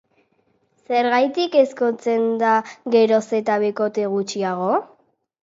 Zergatik ezkontzen da geroz eta bikote gutxiago?